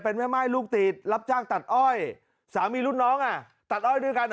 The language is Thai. เป็นแม่ม่ายลูกติดรับจ้างตัดอ้อยสามีรุ่นน้องอ่ะตัดอ้อยด้วยกันอ่ะ